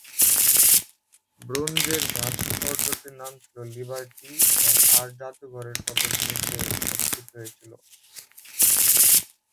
ব্রোঞ্জের ভাস্কর্যটির নাম ছিল "লিবার্টি" এবং আর্ট জাদুঘরের প্রদর্শনীতে প্রদর্শিত হয়েছিল।